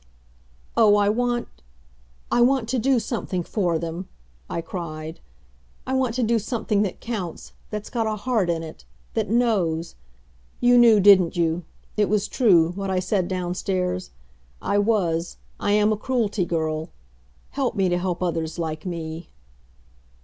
"Oh I want I want to do something for them," I cried. "I want to do something that counts, that's got a heart in it, that knows! You knew, didn't you, it was true what I said downstairs? I was I am a Cruelty girl. Help me to help others like me."